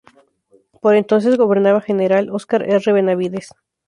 Por entonces gobernaba general Oscar R. Benavides.